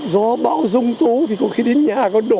gió bão rung tố thì có khi đến nhà còn đổ